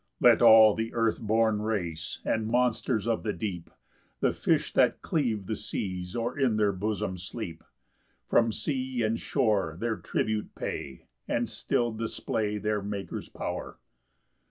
5 Let all the earth born race, And monsters of the deep, The fish that cleave the seas, Or in their bosom sleep, From sea and shore Their tribute pay, And still display Their Maker's power.